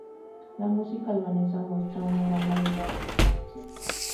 La música albanesa muestra una gran variedad de influencias.